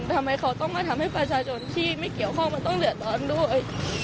ทำไมเขาต้องมาทำให้ประชาชนที่ไม่เกี่ยวข้องมันต้องเดือดร้อนด้วย